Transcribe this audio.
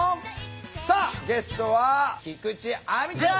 さあゲストは菊地亜美ちゃん！